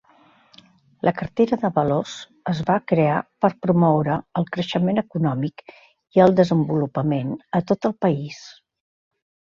La cartera de valors es va crear per promoure el creixement econòmic i el desenvolupament a tot el país.